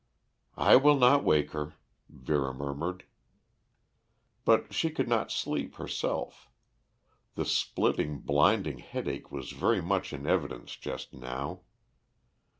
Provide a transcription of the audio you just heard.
"I will not wake her," Vera murmured. But she could not sleep herself. The splitting, blinding headache was very much in evidence just now.